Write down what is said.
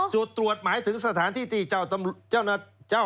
จุดตรวจหมายถึงสถานที่ที่เจ้า